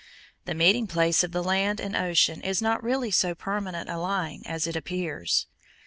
The meeting place of the land and ocean is not really so permanent a line as it appears.